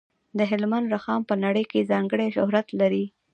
د هلمند رخام په نړۍ کې ځانګړی شهرت لري.